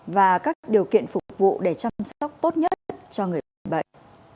và các điều kiện phục vụ để chăm sóc tốt nhất cho người bị bệnh